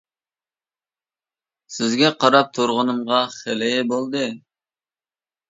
— سىزگە قاراپ تۇرغىنىمغا خېلى بولدى.